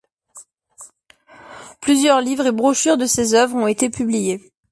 Plusieurs livres et brochures de ses œuvres ont été publiés.